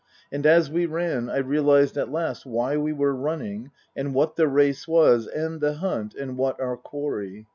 And as we ran I realized at last why we were running and what the race was and the hunt, and what our quarry.